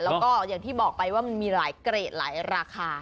แล้วก็อย่างที่บอกไปว่ามันมีหลายเกรดหลายราคา